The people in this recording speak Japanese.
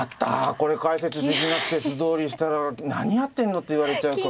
これ解説できなくて素通りしたら「何やってんの？」って言われちゃうから。